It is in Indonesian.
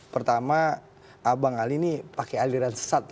pertama abang ali ini pakai aliran sesat